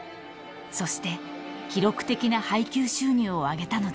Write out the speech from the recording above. ［そして記録的な配給収入を挙げたのです］